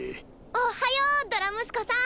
おっはよドラムスコさん。